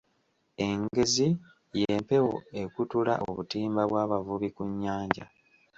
Engezi y'empewo ekutula obutimba bw'abavubi ku nnyanja.